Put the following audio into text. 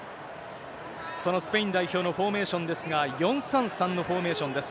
そのスペイン代表のフォーメーションですが、４・３・３のフォーメーションです。